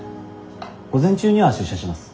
午前中には出社します。